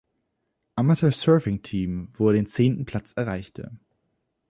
Amateur Surfing Team, wo er den zehnten Platz erreichte.